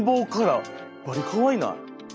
バリかわいない？